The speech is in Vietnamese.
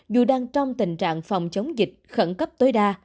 dù đang trong tình trạng phòng chống dịch khẩn cấp tối đa